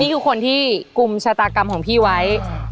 คือคนที่กลุ่มชะตากรรมของพี่ไว้